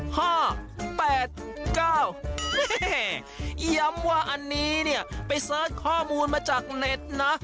ย้ำว่าอันนี้เนี่ยไปเสิร์ชข้อมูลมาจากเน็ตนะ